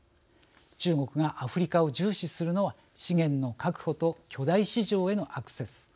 中国がアフリカを重視するのは資源の確保と巨大市場へのアクセス。